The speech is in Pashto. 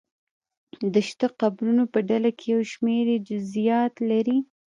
د شته قبرونو په ډله کې یو شمېر یې جزییات لري.